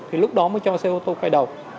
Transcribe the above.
thì lúc đó mới cho xe ô tô quay đầu